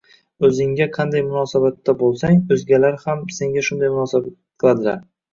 “O‘zingga qanday munosabatda bo‘lsang, o‘zgalar ham senga shunday munosabat qiladilar”